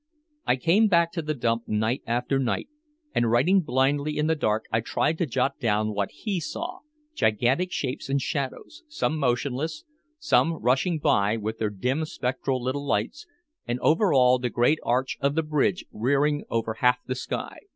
I came back to the dump night after night, and writing blindly in the dark I tried to jot down what he saw gigantic shapes and shadows, some motionless, some rushing by with their dim spectral little lights, and over all the great arch of the Bridge rearing over half the sky.